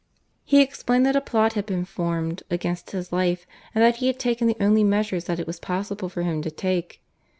He explained that a plot had been formed against his life and that he had taken the only measures that it was possible for him to take.